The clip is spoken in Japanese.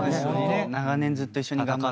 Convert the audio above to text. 長年ずっと一緒に頑張ってきた。